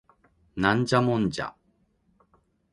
ナンジャモンジャ